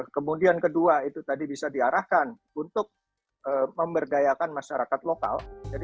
kemudian kedua itu tadi bisa diarahkan untuk memberdayakan masyarakat lokal